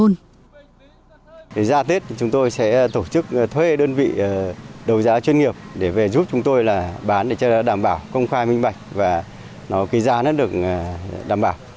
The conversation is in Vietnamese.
để ra tết chúng tôi sẽ tổ chức thuê đơn vị đầu giá chuyên nghiệp để giúp chúng tôi bán để đảm bảo công khai minh bạch và giá được đảm bảo